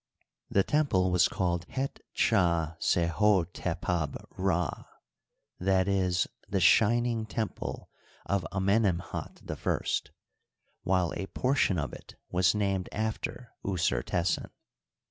The temple was called Het'Ckd'Sehdtepab'Rd — i. e., "The shining temple of Amenemhat I "— while a portion of it was named after Usertesen.